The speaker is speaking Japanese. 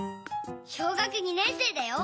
小学２年生だよ。